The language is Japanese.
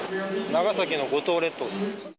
長崎の五島列島。